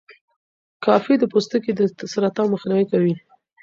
کافي د پوستکي د سرطان مخنیوی کوي.